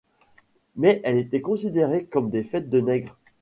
Mais elles étaient considérées comme des fêtes de nègres.